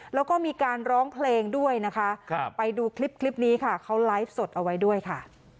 แล้วก็มีการร้องเพลงด้วยนะคะไปดูคลิปนี้ค่ะเขาไลฟ์สดเอาไว้ด้วยค่ะ